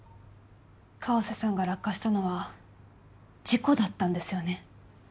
川瀬さんが落下したのは事故だったんですよね？